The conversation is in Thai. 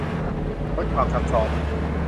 ลดความซ้ำซ้อน